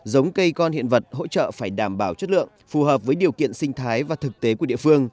giống cây con hiện vật hỗ trợ phải đảm bảo chất lượng phù hợp với điều kiện sinh thái và thực tế của địa phương